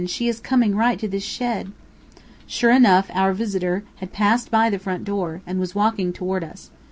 She is coming right to this shed." Sure enough, our visitor had passed by the front door, and was walking toward us.